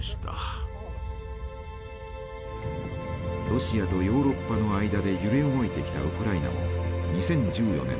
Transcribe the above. ロシアとヨーロッパの間で揺れ動いてきたウクライナも２０１４年